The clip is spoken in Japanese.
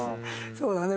そうだね。